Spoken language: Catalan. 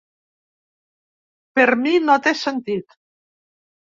Per mi no té sentit.